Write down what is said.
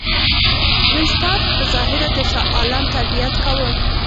وینسیټارټ په ظاهره د شاه عالم تابعیت کاوه.